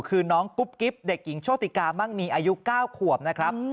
คือน้องกุ๊บกิ๊บเด็กหญิงโชติกามั่งมีอายุ๙ขวบนะครับ